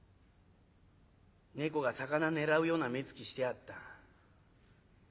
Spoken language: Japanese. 猫が魚狙うような目つきしてやがった。